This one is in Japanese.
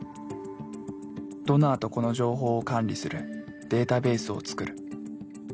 ドナーと子の情報を管理するデータベースを作る。